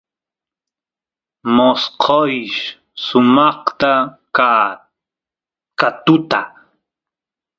mosqoysh sumaqta ka katuta